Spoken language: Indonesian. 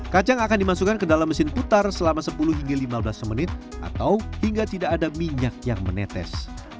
kacang akan dimasukkan ke dalam mesin putar selama sepuluh hingga lima belas menit atau hingga tidak ada minyak yang menetes